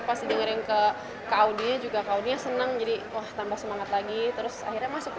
pasti dengerin ke kaunnya juga kau dia senang jadi wah tambah semangat lagi terus akhirnya masuk